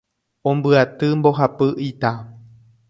Ombyaty mbohapy ita